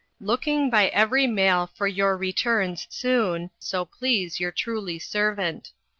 Looking by every mail for your returns Soon, so please your truly servant.